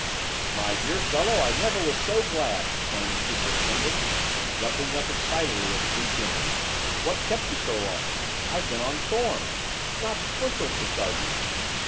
"My dear fellow, I never was so glad!" exclaimed the superintendent, jumping up excitedly as Cleek entered. "What kept you so long? I've been on thorns. Got bushels to tell you.